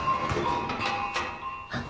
あっ！